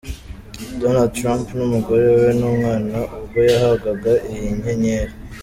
Donald Trump n'umugore we n'umwana ubwo yahabwaga iyi nyenyeri.